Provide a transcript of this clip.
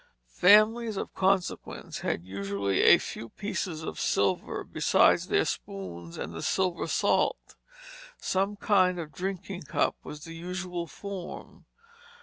Families of consequence had usually a few pieces of silver besides their spoons and the silver salt. Some kind of a drinking cup was the usual form.